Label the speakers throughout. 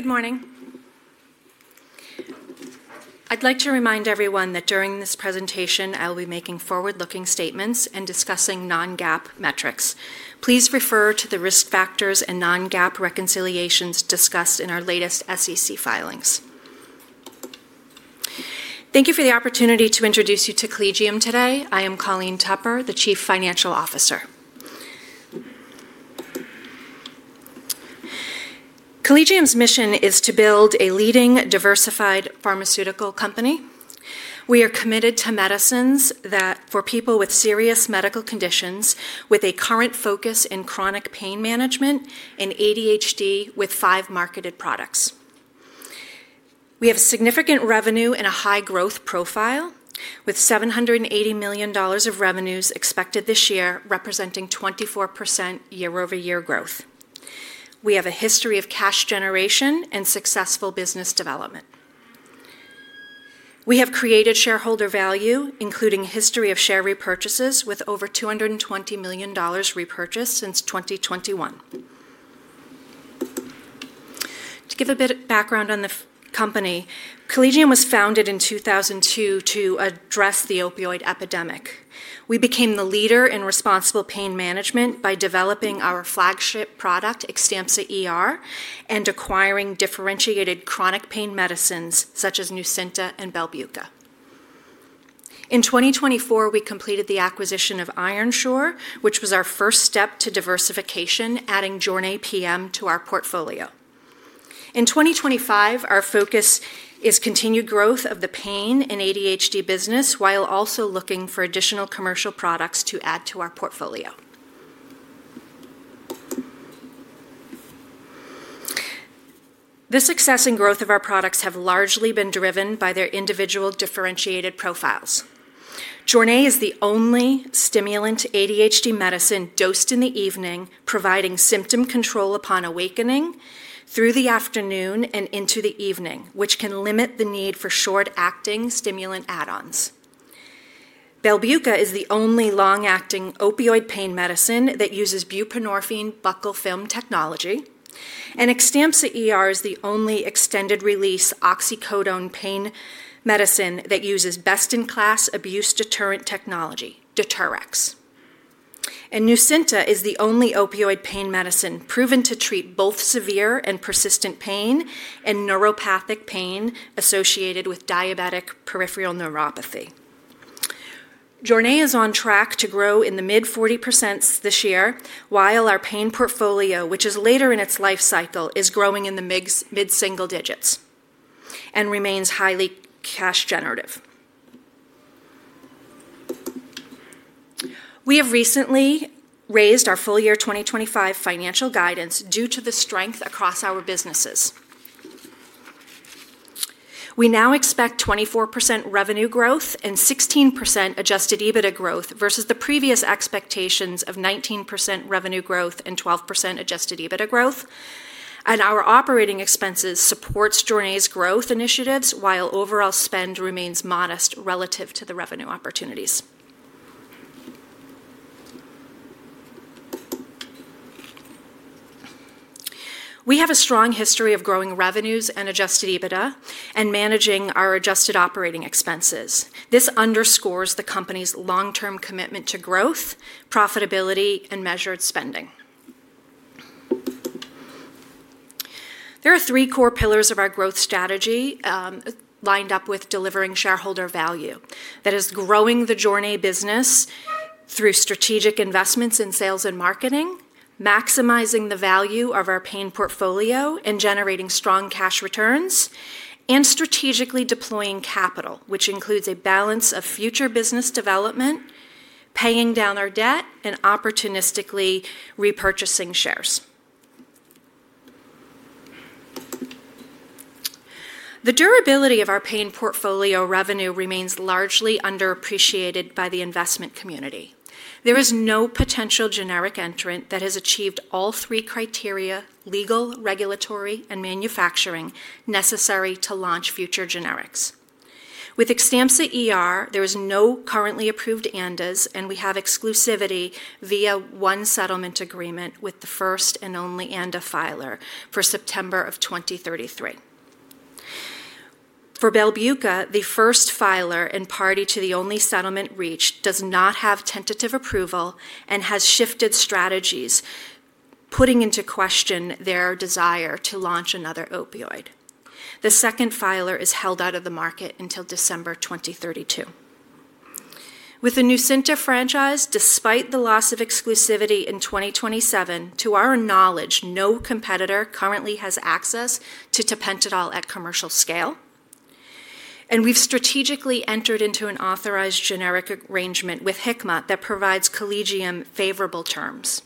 Speaker 1: Good morning. I'd like to remind everyone that during this presentation I will be making forward-looking statements and discussing non-GAAP metrics. Please refer to the risk factors and non-GAAP reconciliations discussed in our latest SEC filings. Thank you for the opportunity to introduce you to Collegium today. I am Colleen Tupper, the Chief Financial Officer. Collegium's mission is to build a leading, diversified pharmaceutical company. We are committed to medicines that, for people with serious medical conditions, with a current focus in chronic pain management and ADHD, with five marketed products. We have significant revenue and a high growth profile, with $780 million of revenues expected this year, representing 24% year-over-year growth. We have a history of cash generation and successful business development. We have created shareholder value, including a history of share repurchases, with over $220 million repurchased since 2021. To give a bit of background on the company, Collegium was founded in 2002 to address the opioid epidemic. We became the leader in responsible pain management by developing our flagship product, Xtampza and acquiring differentiated chronic pain medicines such as Nucynta and Belbuca. In 2024, we completed the acquisition of IronSure, which was our first step to diversification, adding Jornay PM to our portfolio. In 2025, our focus is continued growth of the pain and ADHD business, while also looking for additional commercial products to add to our portfolio. The success and growth of our products have largely been driven by their individual differentiated profiles. Jornay is the only stimulant ADHD medicine dosed in the evening, providing symptom control upon awakening, through the afternoon, and into the evening, which can limit the need for short-acting stimulant add-ons. Belbuca is the only long-acting opioid pain medicine that uses buprenorphine buccal film technology, and Xtampza is the only extended-release oxycodone pain medicine that uses best-in-class abuse-deterrent technology, Deterrx. Nucynta is the only opioid pain medicine proven to treat both severe and persistent pain and neuropathic pain associated with diabetic peripheral neuropathy. Jornay is on track to grow in the mid-40% this year, while our pain portfolio, which is later in its life cycle, is growing in the mid-single digits and remains highly cash generative. We have recently raised our full-year 2025 financial guidance due to the strength across our businesses. We now expect 24% revenue growth and 16% adjusted EBITDA growth versus the previous expectations of 19% revenue growth and 12% adjusted EBITDA growth. Our operating expenses support Jornay's growth initiatives, while overall spend remains modest relative to the revenue opportunities. We have a strong history of growing revenues and adjusted EBITDA and managing our adjusted operating expenses. This underscores the company's long-term commitment to growth, profitability, and measured spending. There are three core pillars of our growth strategy, lined up with delivering shareholder value. That is growing the Jornay business through strategic investments in sales and marketing, maximizing the value of our pain portfolio and generating strong cash returns, and strategically deploying capital, which includes a balance of future business development, paying down our debt, and opportunistically repurchasing shares. The durability of our pain portfolio revenue remains largely underappreciated by the investment community. There is no potential generic entrant that has achieved all three criteria: legal, regulatory, and manufacturing, necessary to launch future generics. With Xtampza there is no currently approved ANDAs, and we have exclusivity via one settlement agreement with the first and only ANDA filer for September of 2033. For Belbuca, the first filer and party to the only settlement reached does not have tentative approval and has shifted strategies, putting into question their desire to launch another opioid. The second filer is held out of the market until December 2032. With the Nucynta franchise, despite the loss of exclusivity in 2027, to our knowledge, no competitor currently has access to Tapentadol at commercial scale. We have strategically entered into an authorized generic arrangement with Hickman that provides Collegium favorable terms.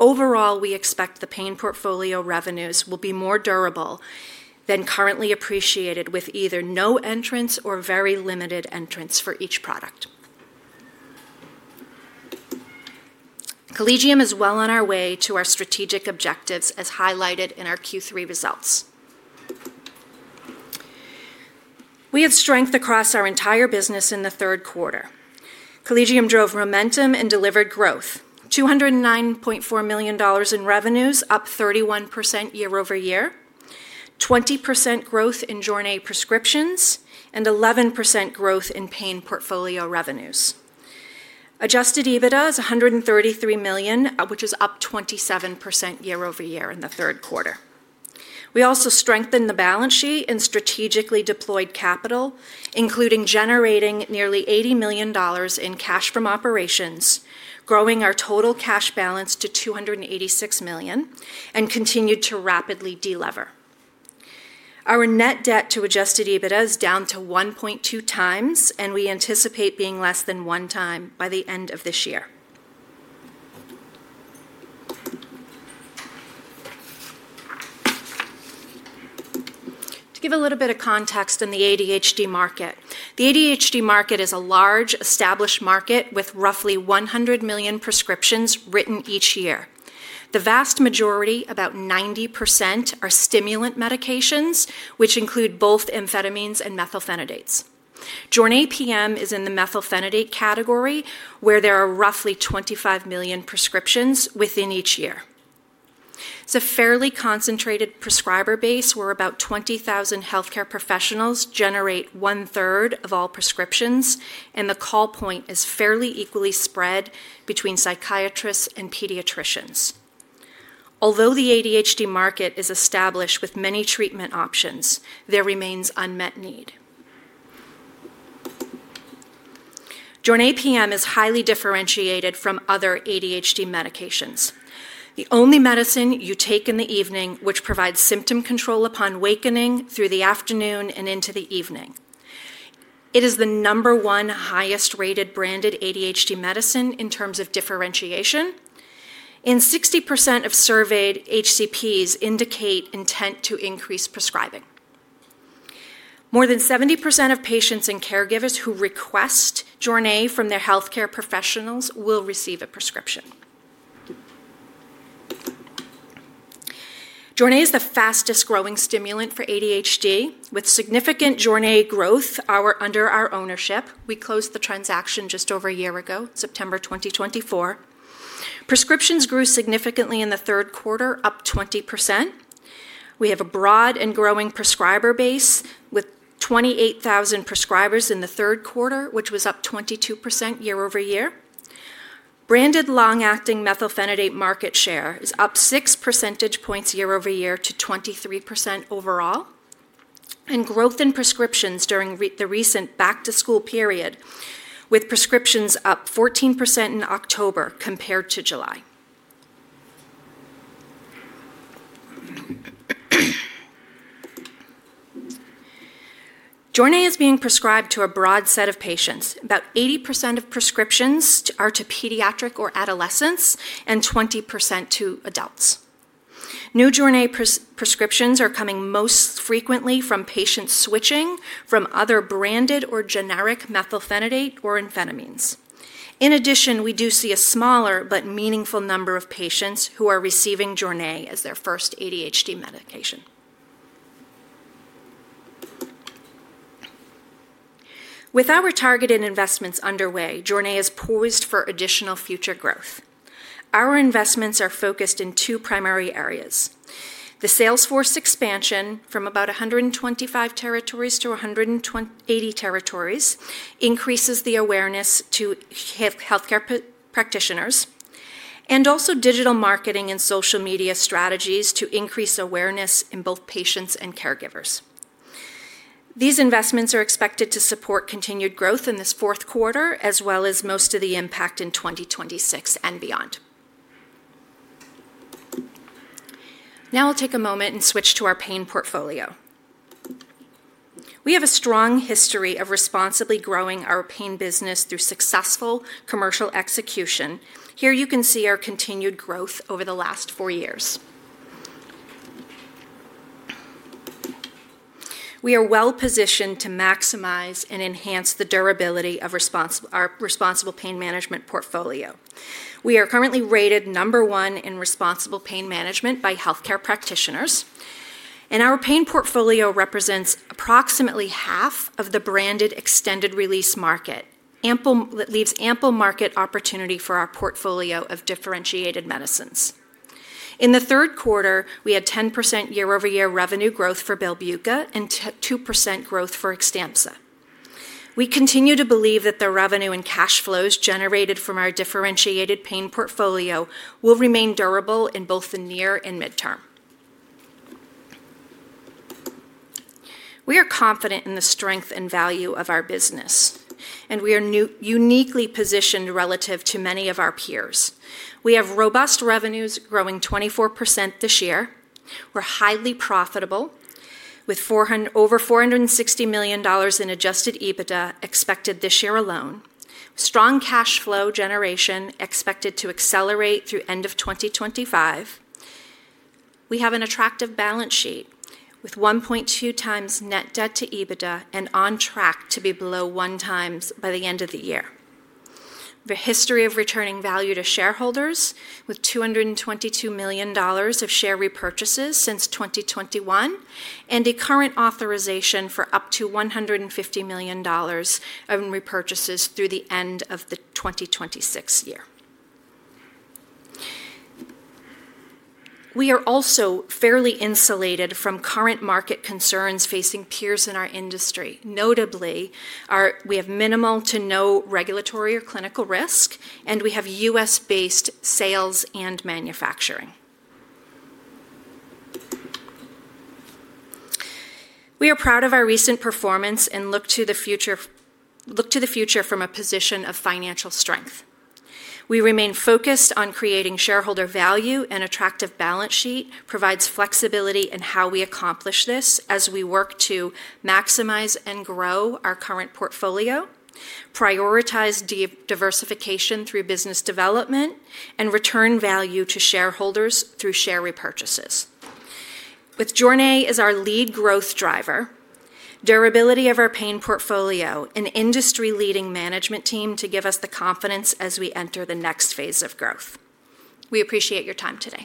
Speaker 1: Overall, we expect the pain portfolio revenues will be more durable than currently appreciated, with either no entrants or very limited entrants for each product. Collegium is well on our way to our strategic objectives, as highlighted in our Q3 results. We have strength across our entire business in the third quarter. Collegium drove momentum and delivered growth: $209.4 million in revenues, up 31% year-over-year, 20% growth in Jornay prescriptions, and 11% growth in pain portfolio revenues. Adjusted EBITDA is $133 million, which is up 27% year-over-year in the third quarter. We also strengthened the balance sheet and strategically deployed capital, including generating nearly $80 million in cash from operations, growing our total cash balance to $286 million, and continued to rapidly deliver. Our net debt to adjusted EBITDA is down to 1.2 times, and we anticipate being less than one time by the end of this year. To give a little bit of context in the ADHD market, the ADHD market is a large, established market with roughly 100 million prescriptions written each year. The vast majority, about 90%, are stimulant medications, which include both amphetamines and methylphenidates. Jornay PM is in the methylphenidate category, where there are roughly 25 million prescriptions within each year. It's a fairly concentrated prescriber base, where about 20,000 healthcare professionals generate one-third of all prescriptions, and the call point is fairly equally spread between psychiatrists and pediatricians. Although the ADHD market is established with many treatment options, there remains unmet need. Jornay PM is highly differentiated from other ADHD medications. The only medicine you take in the evening, which provides symptom control upon wakening, through the afternoon and into the evening. It is the number one highest-rated branded ADHD medicine in terms of differentiation, and 60% of surveyed HCPs indicate intent to increase prescribing. More than 70% of patients and caregivers who request Jornay from their healthcare professionals will receive a prescription. Jornay is the fastest-growing stimulant for ADHD. With significant Jornay growth under our ownership, we closed the transaction just over a year ago, September 2024. Prescriptions grew significantly in the third quarter, up 20%. We have a broad and growing prescriber base, with 28,000 prescribers in the third quarter, which was up 22% year-over-year. Branded long-acting methylphenidate market share is up 6 percentage points year-over-year to 23% overall, and growth in prescriptions during the recent back-to-school period, with prescriptions up 14% in October compared to July. Jornay is being prescribed to a broad set of patients. About 80% of prescriptions are to pediatric or adolescents and 20% to adults. New Jornay prescriptions are coming most frequently from patients switching from other branded or generic methylphenidate or amphetamines. In addition, we do see a smaller but meaningful number of patients who are receiving Jornay as their first ADHD medication. With our targeted investments underway, Jornay is poised for additional future growth. Our investments are focused in two primary areas: the sales force expansion from about 125 territories to 180 territories, which increases the awareness to healthcare practitioners, and also digital marketing and social media strategies to increase awareness in both patients and caregivers. These investments are expected to support continued growth in this fourth quarter, as well as most of the impact in 2026 and beyond. Now I'll take a moment and switch to our pain portfolio. We have a strong history of responsibly growing our pain business through successful commercial execution. Here you can see our continued growth over the last four years. We are well-positioned to maximize and enhance the durability of our responsible pain management portfolio. We are currently rated number one in responsible pain management by healthcare practitioners, and our pain portfolio represents approximately half of the branded extended-release market, leaving ample market opportunity for our portfolio of differentiated medicines. In the third quarter, we had 10% year-over-year revenue growth for Belbuca and 2% growth for Xtampza. We continue to believe that the revenue and cash flows generated from our differentiated pain portfolio will remain durable in both the near and midterm. We are confident in the strength and value of our business, and we are uniquely positioned relative to many of our peers. We have robust revenues growing 24% this year. We're highly profitable, with over $460 million in adjusted EBITDA expected this year alone. Strong cash flow generation expected to accelerate through the end of 2025. We have an attractive balance sheet with 1.2 times net debt to EBITDA and on track to be below one times by the end of the year. We have a history of returning value to shareholders, with $222 million of share repurchases since 2021 and a current authorization for up to $150 million in repurchases through the end of the 2026 year. We are also fairly insulated from current market concerns facing peers in our industry. Notably, we have minimal to no regulatory or clinical risk, and we have U.S.-based sales and manufacturing. We are proud of our recent performance and look to the future from a position of financial strength. We remain focused on creating shareholder value, an attractive balance sheet, providing flexibility in how we accomplish this as we work to maximize and grow our current portfolio, prioritize diversification through business development, and return value to shareholders through share repurchases. With Jornay as our lead growth driver, durability of our pain portfolio, and industry-leading management team to give us the confidence as we enter the next phase of growth. We appreciate your time today.